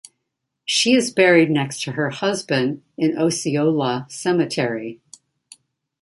She is buried next to her husband in Osceola Cemetery.